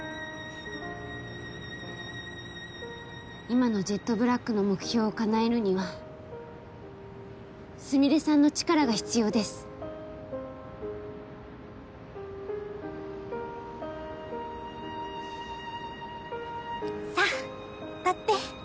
今のジェットブラックの目標をかなえるにはスミレさんの力が必要ですさあ立って！